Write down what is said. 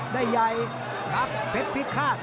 ได้ใหญ่ครับเทคพิคฆาต